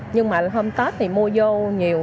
nhưng mà hôm tết thì mua vô nhiều